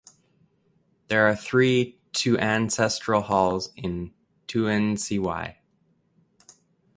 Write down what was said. There are three To Ancestral Halls in Tuen Tsz Wai.